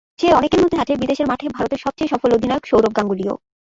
সেই অনেকের মধ্যে আছেন বিদেশের মাঠে ভারতের সবচেয়ে সফল অধিনায়ক সৌরভ গাঙ্গুলীও।